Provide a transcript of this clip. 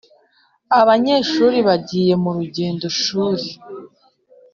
Abanyeshuri bagiye mu rugendo shuri